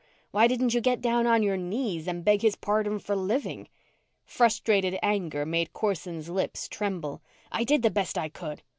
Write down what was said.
Why didn't you get down on your knees and beg his pardon for living?" Frustrated anger made Corson's lips tremble. "I did the best I could!